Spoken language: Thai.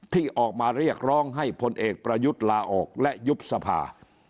ที่ออกมาเรียกร้องให้พลเอกประยุทธ์ลาออกและยุบสภา